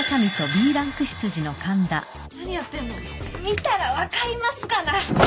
見たら分かりますがな。